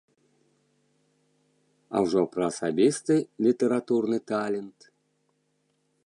А ўжо пра асабісты літаратурны талент.